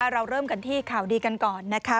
เราเริ่มกันที่ข่าวดีกันก่อนนะคะ